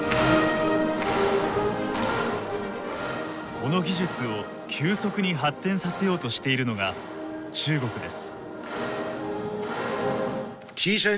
この技術を急速に発展させようとしているのが中国です。